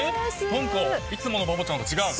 何かいつものバボちゃんと違う。